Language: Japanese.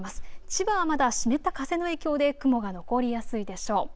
千葉はまだ湿った風の影響で雲が残りやすいでしょう。